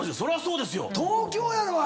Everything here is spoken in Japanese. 東京やろ。